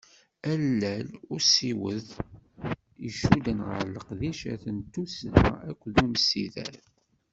Allal n usiweḍ i icudden gar leqdicat n tuddsa akked umsider.